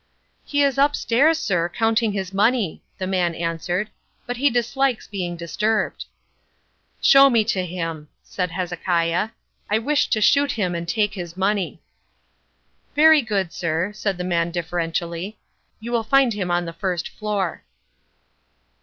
"He is upstairs, sir, counting his money," the man answered, "but he dislikes being disturbed." "Show me to him," said Hezekiah, "I wish to shoot him and take his money." "Very good, sir," said the man deferentially. "You will find him on the first floor."